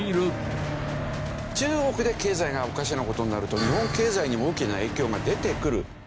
中国で経済がおかしな事になると日本経済にも大きな影響が出てくる。